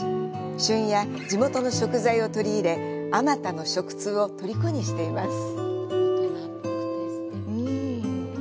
旬や地元の食材を取り入れ、あまたの食通をとりこにしています。